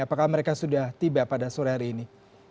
apakah mereka sudah tiba pada sore hari ini